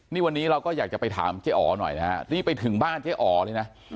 นี่วันนี้เราก็อยากจะไปถามเจ๊อ๋อหน่อยนะฮะรีบไปถึงบ้านเจ๊อ๋อเลยนะ